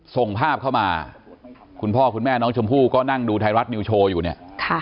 ส่งภาพเข้ามาคุณพ่อคุณแม่น้องชมพู่ก็นั่งดูไทยรัฐนิวโชว์อยู่เนี่ย